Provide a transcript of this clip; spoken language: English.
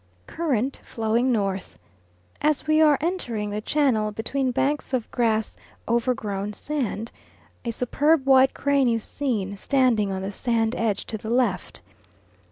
Current flowing north. As we are entering the channel between banks of grass overgrown sand, a superb white crane is seen standing on the sand edge to the left.